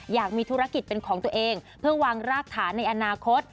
อยากมีธุรกิจเป็นของตัวเองเพื่อวางรากฐานในอนาคต